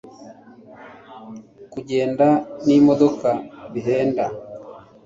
kugenda n'imodoka bihenda